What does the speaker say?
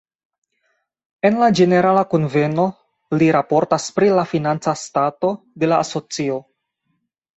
En la ĝenerala kunveno li raportas pri la financa stato de la asocio.